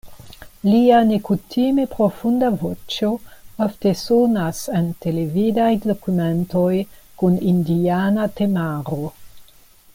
Lia nekutime profunda voĉo ofte sonas en televidaj dokumentoj kun indiana temaro.